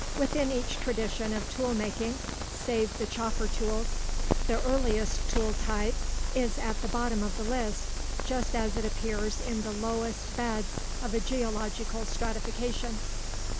Within each tradition of tool making (save the chopper tools), the earliest tool type is at the bottom of the list, just as it appears in the lowest beds of a geological stratification.